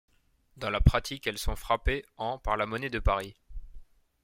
Dans la pratique, elles sont frappées en par la Monnaie de Paris.